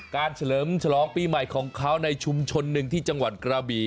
เฉลิมฉลองปีใหม่ของเขาในชุมชนหนึ่งที่จังหวัดกระบี